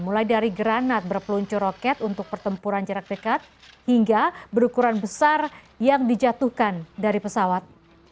mulai dari granat berpeluncur roket untuk pertempuran jarak dekat hingga berukuran besar yang dijatuhkan dari pesawat